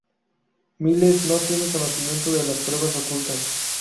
Miles no tiene conocimiento de las pruebas ocultas.